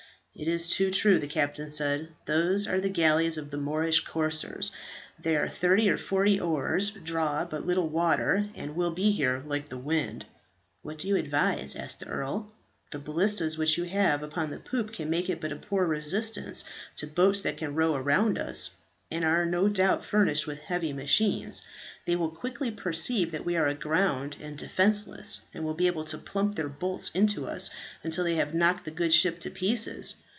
"It is too true," the captain said. "Those are the galleys of the Moorish corsairs. They are thirty or forty oars, draw but little water, and will be here like the wind." "What do you advise?" asked the earl. "The balistas which you have upon the poop can make but a poor resistance to boats that can row around us, and are no doubt furnished with heavy machines. They will quickly perceive that we are aground and defenceless, and will be able to plump their bolts into us until they have knocked the good ship to pieces.